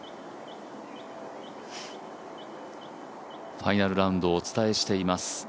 ファイナルラウンドをお伝えしています。